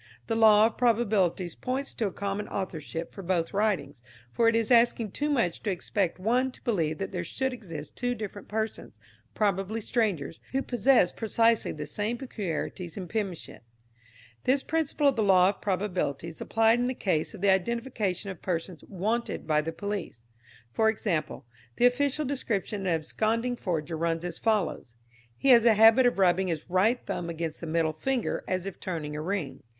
The law of probabilities points to a common authorship for both writings, for it is asking too much to expect one to believe that there should exist two different persons, probably strangers, who possess precisely the same peculiarities in penmanship. This principle of the law of probabilities is applied in the case of the identification of persons "wanted" by the police. For example, the official description of an absconding forger runs as follows: "He has a habit of rubbing his right thumb against the middle finger as if turning a ring.